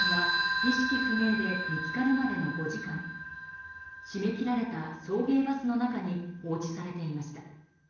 千奈ちゃんは意識不明で見つかるまでの５時間閉め切られた送迎バスの中に放置されていました。